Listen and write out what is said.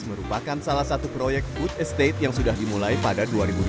merupakan salah satu proyek food estate yang sudah dimulai pada dua ribu dua puluh